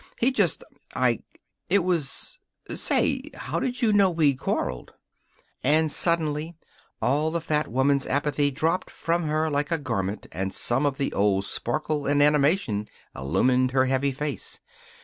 He just I it was Say, how did you know we'd quarreled?" And suddenly all the fat woman's apathy dropped from her like a garment and some of the old sparkle and animation illumined her heavy face.